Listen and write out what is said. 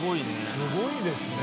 すごいですね。